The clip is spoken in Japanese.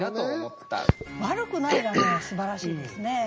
「わるくない」がすばらしいですね。